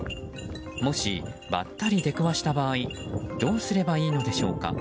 もし、ばったり出くわした場合どうすればいいのでしょうか。